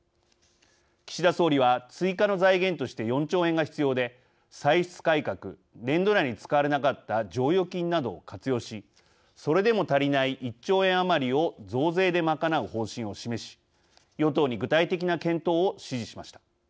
岸田総理は追加の財源として４兆円が必要で歳出改革年度内に使われなかった剰余金などを活用しそれでも足りない１兆円余りを増税で賄う方針を示し与党に具体的な検討を指示しました。